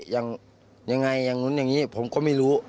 ยังไงอย่างนู้นอย่างนี้ผมก็ไม่รู้